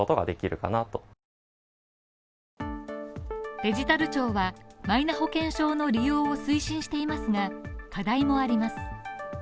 デジタル庁はマイナ保険証の利用を推進していますが課題もあります